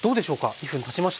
２分たちました。